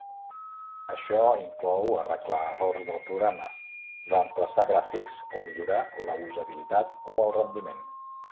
Això inclou arreglar errors del programa, reemplaçar gràfics o millorar la usabilitat o el rendiment.